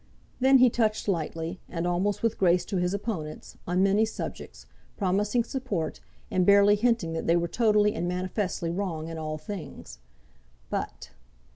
Then he touched lightly, and almost with grace to his opponents, on many subjects, promising support, and barely hinting that they were totally and manifestly wrong in all things. But